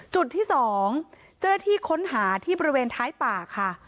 จุดที่๒เจ้าหน้าที่ค้นหาที่บริเวณท้ายป่าค่ะ